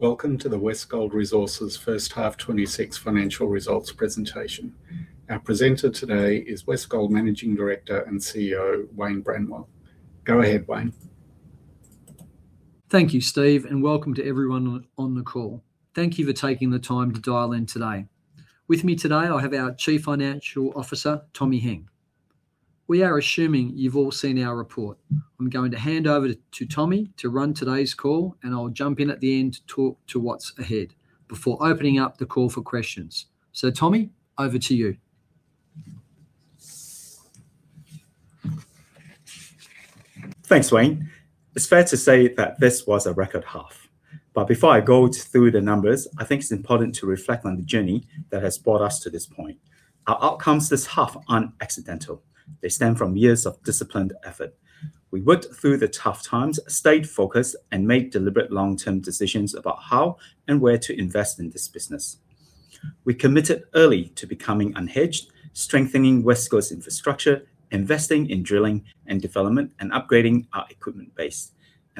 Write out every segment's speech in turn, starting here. Welcome to the Westgold Resources first half 26 financial results presentation. Our presenter today is Westgold Managing Director and CEO, Wayne Bramwell. Go ahead, Wayne. Thank you, Steve, and welcome to everyone on the call. Thank you for taking the time to dial in today. With me today, I have our Chief Financial Officer, Tommy Heng. We are assuming you've all seen our report. I'm going to hand over to Tommy to run today's call, and I'll jump in at the end to talk to what's ahead before opening up the call for questions. Tommy, over to you. Thanks, Wayne. It's fair to say that this was a record half. Before I go through the numbers, I think it's important to reflect on the journey that has brought us to this point. Our outcomes this half aren't accidental. They stem from years of disciplined effort. We worked through the tough times, stayed focused, and made deliberate long-term decisions about how and where to invest in this business. We committed early to becoming unhedged, strengthening Westgold's infrastructure, investing in drilling and development, and upgrading our equipment base.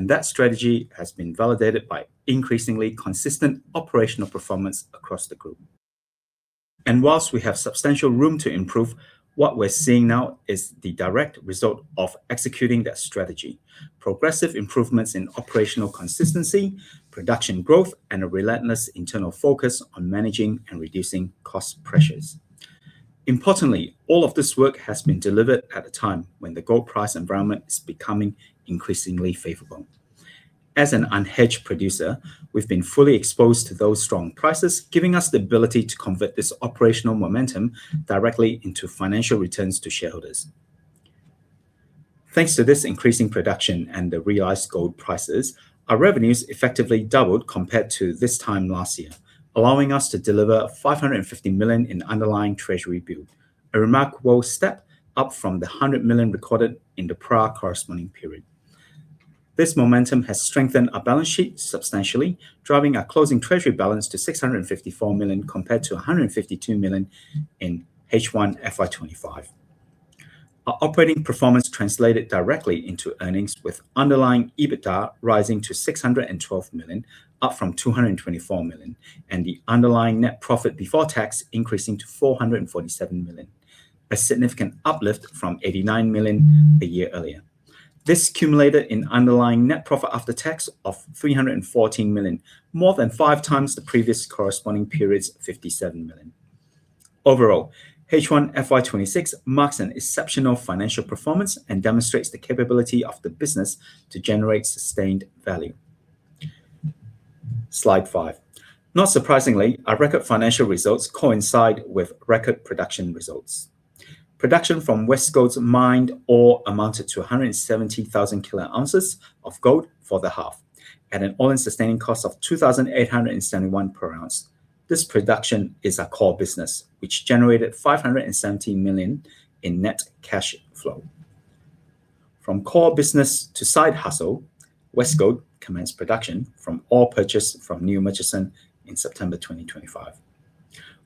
That strategy has been validated by increasingly consistent operational performance across the group. Whilst we have substantial room to improve, what we're seeing now is the direct result of executing that strategy. Progressive improvements in operational consistency, production growth, and a relentless internal focus on managing and reducing cost pressures. Importantly, all of this work has been delivered at a time when the gold price environment is becoming increasingly favorable. As an unhedged producer, we've been fully exposed to those strong prices, giving us the ability to convert this operational momentum directly into financial returns to shareholders. Thanks to this increasing production and the realized gold prices, our revenues effectively doubled compared to this time last year, allowing us to deliver 550 million in underlying treasury build, a remarkable step up from the 100 million recorded in the prior corresponding period. This momentum has strengthened our balance sheet substantially, driving our closing treasury balance to 654 million, compared to 152 million in H1 FY 2025. Our operating performance translated directly into earnings, with underlying EBITDA rising to 612 million, up from 224 million, and the underlying net profit before tax increasing to 447 million, a significant uplift from 89 million a year earlier. This culminated in underlying net profit after tax of 314 million, more than 5 times the previous corresponding period's 57 million. Overall, H1 FY 2026 marks an exceptional financial performance and demonstrates the capability of the business to generate sustained value. Slide 5. Not surprisingly, our record financial results coincide with record production results. Production from Westgold's mined ore amounted to 170,000 kilo ounces of gold for the half, at an all-in sustaining cost of 2,871 per ounce. This production is our core business, which generated 570 million in net cash flow. From core business to side hustle, Westgold commenced production from ore purchased from New Murchison in September 2025.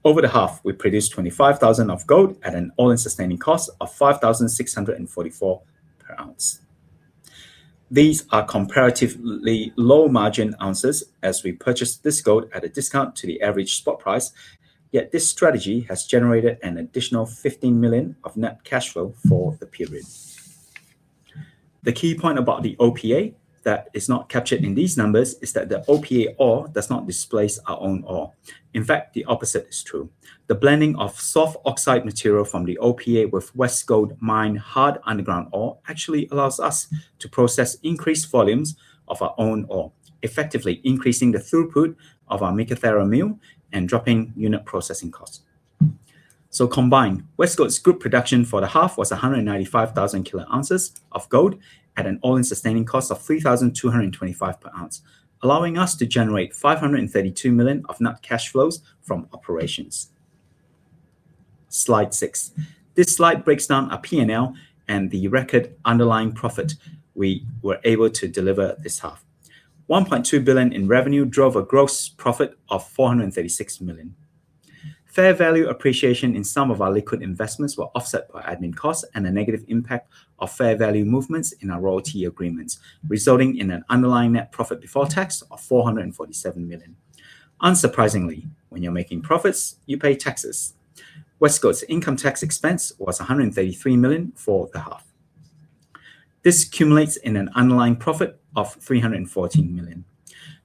Over the half, we produced 25,000 of gold at an all-in sustaining cost of 5,644 per ounce. These are comparatively low-margin ounces as we purchased this gold at a discount to the average spot price, yet this strategy has generated an additional 15 million of net cash flow for the period. The key point about the OPA that is not captured in these numbers is that the OPA ore does not displace our own ore. In fact, the opposite is true. The blending of soft oxide material from the OPA with Westgold mined hard underground ore, actually allows us to process increased volumes of our own ore, effectively increasing the throughput of our Meekatharra mill and dropping unit processing costs. Combined, Westgold's group production for the half was 195,000 kilo ounces of gold at an all-in sustaining cost of 3,225 per ounce, allowing us to generate 532 million of net cash flows from operations. Slide 6. This slide breaks down our P&L and the record underlying profit we were able to deliver this half. 1.2 billion in revenue drove a gross profit of 436 million. Fair value appreciation in some of our liquid investments were offset by admin costs and the negative impact of fair value movements in our royalty agreements, resulting in an underlying net profit before tax of 447 million. Unsurprisingly, when you're making profits, you pay taxes. Westgold's income tax expense was 133 million for the half. This cumulates in an underlying profit of 314 million.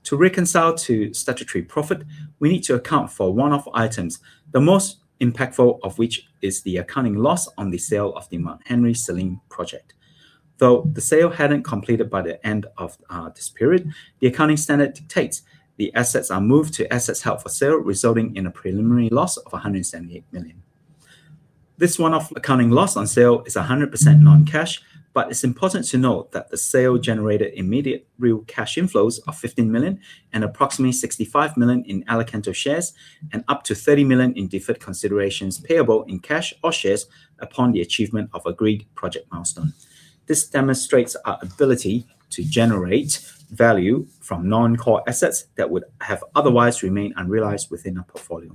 To reconcile to statutory profit, we need to account for one-off items, the most impactful of which is the accounting loss on the sale of the Mt Henry-Selene project. The sale hadn't completed by the end of this period, the accounting standard dictates the assets are moved to assets held for sale, resulting in a preliminary loss of 178 million. This one-off accounting loss on sale is 100% non-cash. It's important to note that the sale generated immediate real cash inflows of 15 million and approximately 65 million in Alicanto shares, and up to 30 million in deferred considerations payable in cash or shares upon the achievement of agreed project milestones. This demonstrates our ability to generate value from non-core assets that would have otherwise remained unrealized within our portfolio.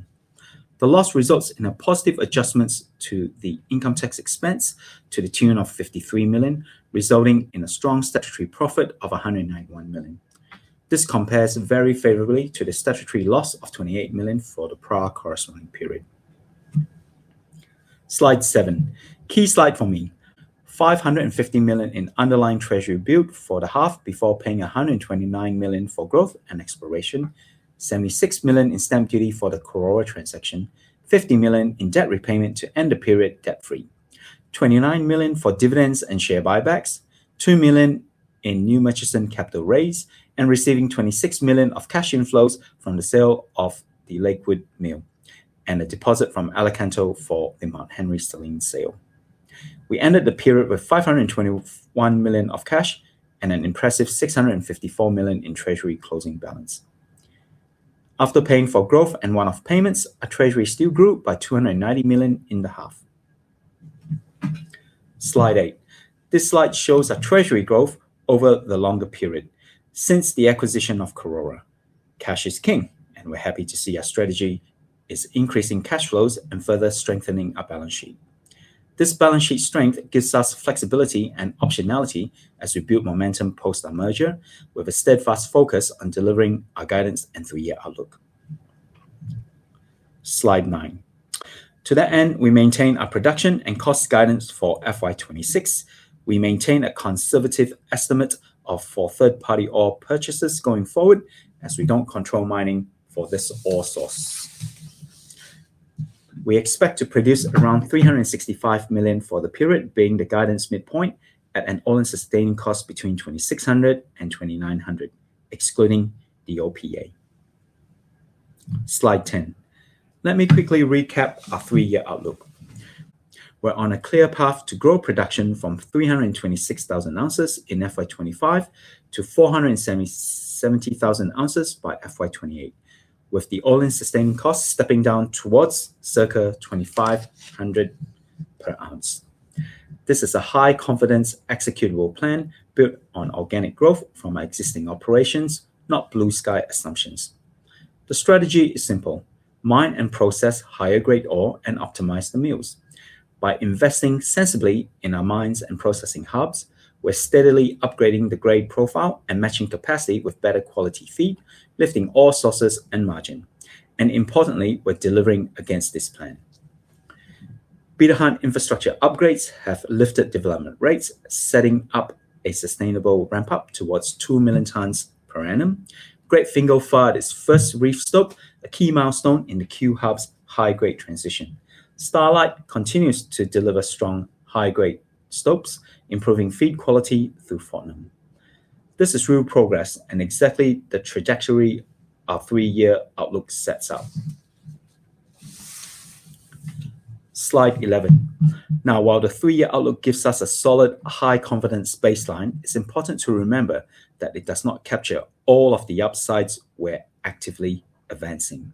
The loss results in a positive adjustments to the income tax expense to the tune of 53 million, resulting in a strong statutory profit of 191 million. This compares very favorably to the statutory loss of 28 million for the prior corresponding period. Slide seven. Key slide for me. 550 million in underlying treasury built for the half before paying 129 million for growth and exploration, 76 million in stamp duty for the Karora transaction, 50 million in debt repayment to end the period debt-free, 29 million for dividends and share buybacks, 2 million in New Murchison capital raise, Receiving 26 million of cash inflows from the sale of the Lakewood Mill, and a deposit from Alicanto for the Mt Henry-Selene sale. We ended the period with 521 million of cash and an impressive 654 million in treasury closing balance. After paying for growth and one-off payments, our treasury still grew by 290 million in the half. Slide 8. This slide shows our treasury growth over the longer period since the acquisition of Karora. Cash is king. We're happy to see our strategy is increasing cash flows and further strengthening our balance sheet. This balance sheet strength gives us flexibility and optionality as we build momentum post our merger, with a steadfast focus on delivering our guidance and three-year outlook. Slide nine. To that end, we maintain our production and cost guidance for FY 2026. We maintain a conservative estimate of 4 third-party ore purchases going forward, as we don't control mining for this ore source. We expect to produce around 365 million for the period, being the guidance midpoint at an all-in sustaining cost between 2,600 and 2,900, excluding the OPA. Slide ten. Let me quickly recap our three-year outlook. We're on a clear path to grow production from 326,000 ounces in FY 2025 to 470,000 ounces by FY 2028, with the all-in sustaining costs stepping down towards circa 2,500 per ounce. This is a high-confidence, executable plan built on organic growth from our existing operations, not blue-sky assumptions. The strategy is simple: mine and process higher-grade ore and optimize the mills. By investing sensibly in our mines and processing hubs, we're steadily upgrading the grade profile and matching capacity with better quality feed, lifting ore sources and margin. Importantly, we're delivering against this plan. Beta Hunt infrastructure upgrades have lifted development rates, setting up a sustainable ramp-up towards 2 million tons per annum. Great Fingall fired its first reef stope, a key milestone in the Cue Hub's high-grade transition. Starlight continues to deliver strong, high-grade stopes, improving feed quality through Fortnum. This is real progress and exactly the trajectory our three-year outlook sets out. Slide 11. While the three-year outlook gives us a solid, high-confidence baseline, it's important to remember that it does not capture all of the upsides we're actively advancing.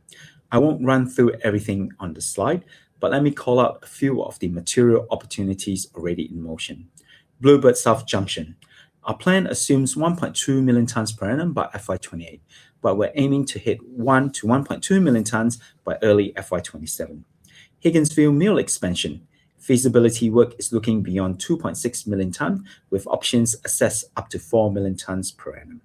I won't run through everything on the slide, but let me call out a few of the material opportunities already in motion. Bluebird-South Junction. Our plan assumes 1.2 million tons per annum by FY 2028, but we're aiming to hit 1 million-1.2 million tons by early FY 2027. Higginsville Mill expansion. Feasibility work is looking beyond 2.6 million ton, with options assessed up to 4 million tons per annum.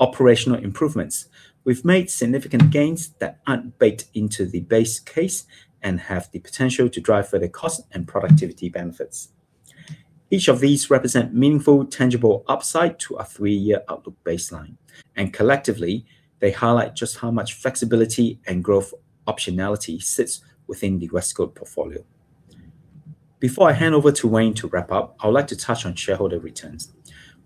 Operational improvements. We've made significant gains that aren't baked into the base case and have the potential to drive further cost and productivity benefits. Each of these represent meaningful, tangible upside to our three-year outlook baseline, and collectively, they highlight just how much flexibility and growth optionality sits within the Westgold portfolio. Before I hand over to Wayne to wrap up, I would like to touch on shareholder returns.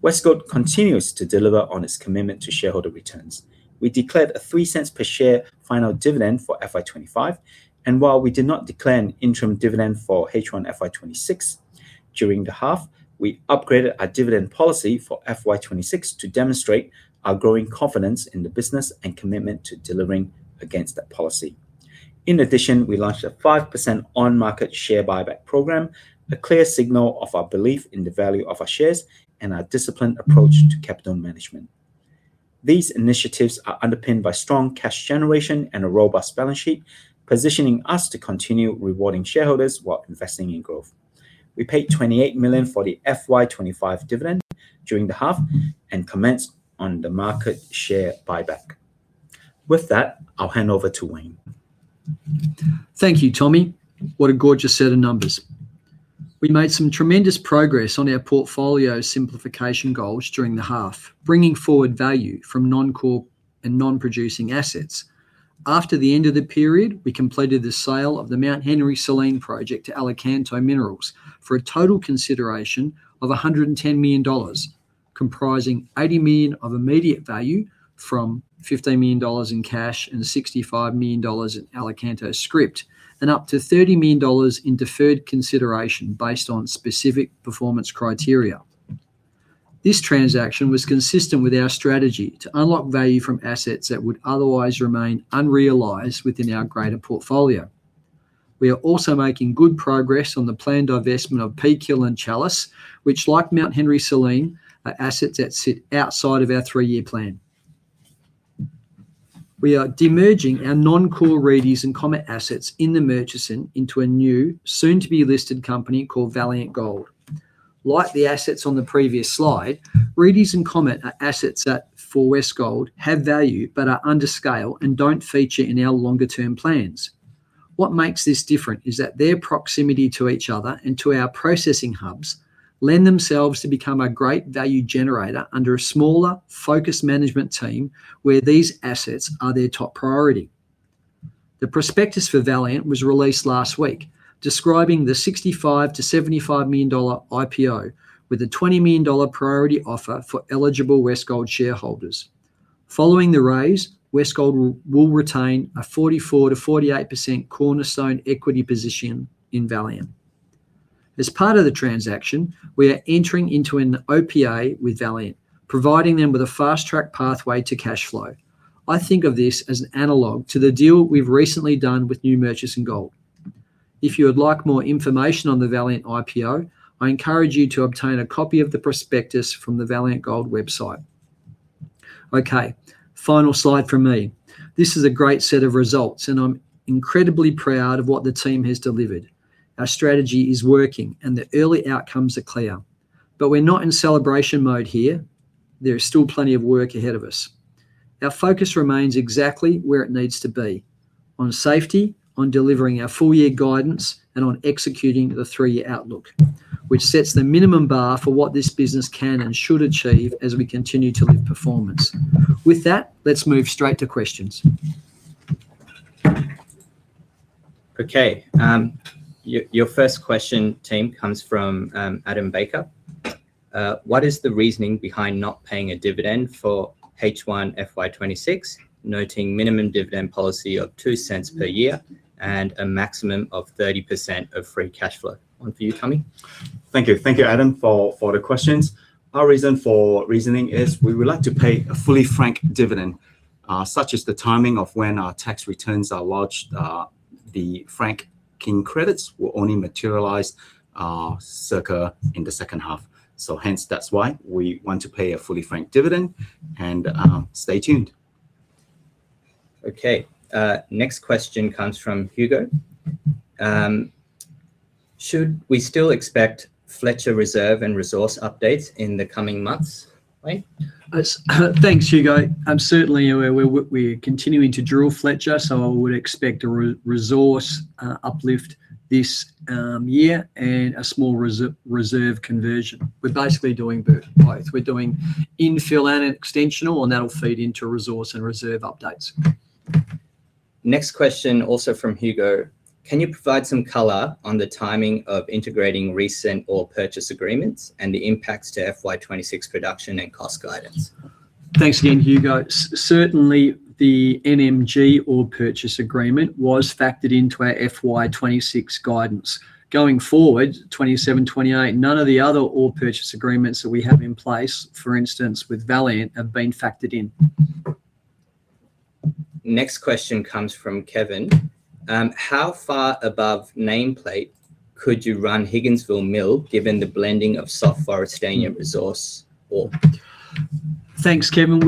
Westgold continues to deliver on its commitment to shareholder returns. We declared an 0.03 per share final dividend for FY 2025, and while we did not declare an interim dividend for H1 FY 2026, during the half, we upgraded our dividend policy for FY 2026 to demonstrate our growing confidence in the business and commitment to delivering against that policy. In addition, we launched a 5% on-market share buyback program, a clear signal of our belief in the value of our shares and our disciplined approach to capital management. These initiatives are underpinned by strong cash generation and a robust balance sheet, positioning us to continue rewarding shareholders while investing in growth. We paid 28 million for the FY 2025 dividend during the half and commenced on the market share buyback. With that, I'll hand over to Wayne. Thank you, Tommy. What a gorgeous set of numbers! We made some tremendous progress on our portfolio simplification goals during the half, bringing forward value from non-core and non-producing assets. After the end of the period, we completed the sale of the Mt Henry-Selene project to Alicanto Minerals for a total consideration of 110 million dollars, comprising 80 million of immediate value from 15 million dollars in cash and 65 million dollars in Alicanto script, and up to 30 million dollars in deferred consideration based on specific performance criteria. This transaction was consistent with our strategy to unlock value from assets that would otherwise remain unrealized within our greater portfolio. We are also making good progress on the planned divestment of Peak Hill and Chalice, which, like Mt Henry-Selene, are assets that sit outside of our three-year plan. We are demerging our non-core Reedy and Comet assets in the Murchison into a new, soon-to-be-listed company called Valiant Gold. Like the assets on the previous slide, Reedy and Comet are assets that, for Westgold, have value but are under scale and don't feature in our longer-term plans. What makes this different is that their proximity to each other and to our processing hubs lend themselves to become a great value generator under a smaller, focused management team, where these assets are their top priority. The prospectus for Valiant was released last week, describing the 65 million-75 million dollar IPO, with an 20 million dollar priority offer for eligible Westgold shareholders. Following the raise, Westgold will retain a 44%-48% cornerstone equity position in Valiant. As part of the transaction, we are entering into an OPA with Valiant, providing them with a fast-track pathway to cash flow. I think of this as an analog to the deal we've recently done with New Murchison Gold. If you would like more information on the Valiant IPO, I encourage you to obtain a copy of the prospectus from the Valiant Gold website. Okay, final slide from me. This is a great set of results, and I'm incredibly proud of what the team has delivered. Our strategy is working, and the early outcomes are clear. We're not in celebration mode here. There is still plenty of work ahead of us. Our focus remains exactly where it needs to be: on safety, on delivering our full-year guidance, and on executing the 3-year outlook, which sets the minimum bar for what this business can and should achieve as we continue to lift performance. With that, let's move straight to questions. Okay, your first question, team, comes from Adam Baker. "What is the reasoning behind not paying a dividend for H1 FY 2026, noting minimum dividend policy of 0.02 per year and a maximum of 30% of free cash flow?" One for you, Tommy. Thank you. Thank you, Adam, for the questions. Our reason for reasoning is we would like to pay a fully franked dividend. Such as the timing of when our tax returns are lodged, the franking credits will only materialize circa in the second half. Hence, that's why we want to pay a fully franked dividend, and stay tuned. Okay, next question comes from Hugo. "Should we still expect Fletcher Reserve and resource updates in the coming months, Wayne? Thanks, Hugo. Certainly, we're continuing to drill Fletcher. I would expect a resource uplift this year, a small reserve conversion. We're basically doing both. We're doing infill and extensional. That'll feed into resource and reserve updates. Next question, also from Hugo: "Can you provide some color on the timing of integrating recent ore purchase agreements and the impacts to FY26 production and cost guidance? Thanks again, Hugo. Certainly, the NMG ore purchase agreement was factored into our FY 2026 guidance. Going forward, 2027, 2028, none of the other ore purchase agreements that we have in place, for instance, with Valiant, have been factored in. Next question comes from Kevin. "How far above nameplate could you run Higginsville Mill, given the blending of soft Forrestania resource ore? Thanks, Kevin.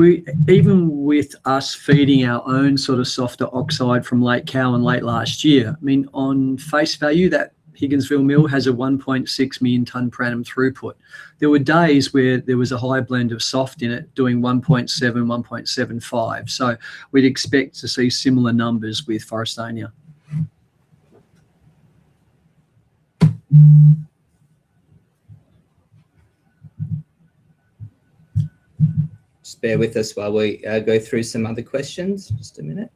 Even with us feeding our own sort of softer oxide from Lake Cowan late last year, I mean, on face value, that Higginsville Mill has a 1.6 million ton per annum throughput. There were days where there was a high blend of soft in it, doing 1.7, 1.75. We'd expect to see similar numbers with Forrestania. Just bear with us while we go through some other questions. Just a minute.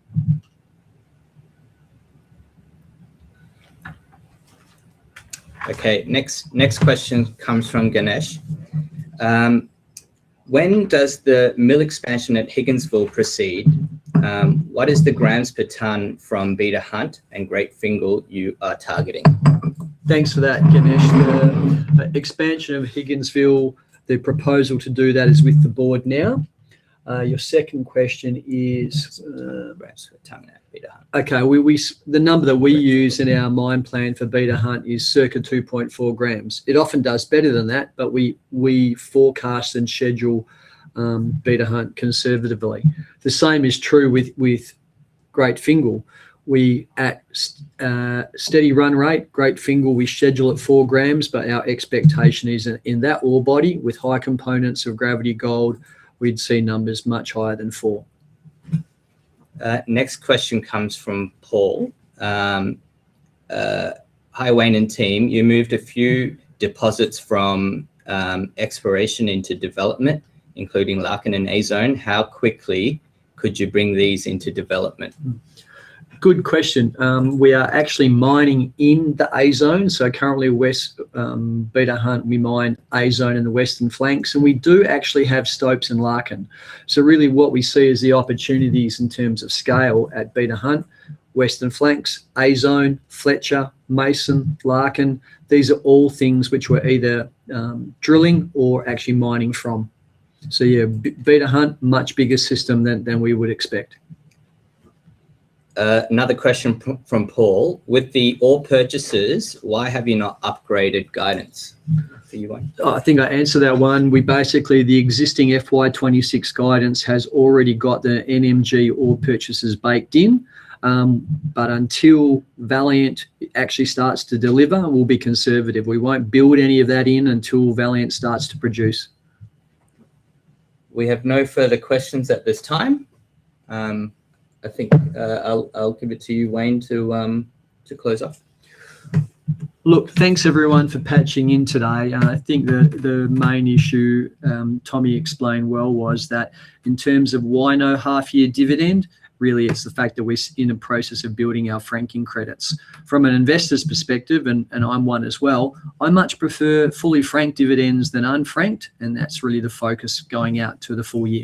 Next question comes from Ganesh. "When does the mill expansion at Higginsville proceed? What is the grams per tonne from Beta Hunt and Great Fingall you are targeting? Thanks for that, Ganesh. Expansion of Higginsville, the proposal to do that is with the board now. Your second question is. grams per tonne at Beta Hunt. We use in our mine plan for Beta Hunt is circa 2.4 grams. It often does better than that, we forecast and schedule Beta Hunt conservatively. The same is true with Great Fingall. We at steady run rate, Great Fingall, we schedule at 4 grams, our expectation is in that ore body, with high components of gravity gold, we'd see numbers much higher than 4. Next question comes from Paul. Hi, Wayne and team. You moved a few deposits from exploration into development, including Larkin and A Zone. How quickly could you bring these into development? Good question. We are actually mining in the A Zone, currently, Beta Hunt, we mine A Zone in the western flanks, we do actually have stopes in Larkin. Really, what we see is the opportunities in terms of scale at Beta Hunt, western flanks, A Zone, Fletcher, Mason, Larkin. These are all things which we're either drilling or actually mining from. Yeah, Beta Hunt, much bigger system than we would expect. Another question from Paul: "With the ore purchases, why have you not upgraded guidance?" For you, Wayne. I think I answered that one. The existing FY 2026 guidance has already got the NMG ore purchases baked in, but until Valiant actually starts to deliver, we'll be conservative. We won't build any of that in until Valiant starts to produce. We have no further questions at this time. I think, I'll give it to you, Wayne, to close off. Look, thanks, everyone, for patching in today. I think the main issue, Tommy explained well, was that in terms of why no half-year dividend, really, it's the fact that we're in the process of building our franking credits. From an investor's perspective, and I'm one as well, I much prefer fully franked dividends than unfranked, and that's really the focus going out to the full year.